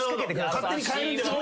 勝手にかえるんじゃなくて。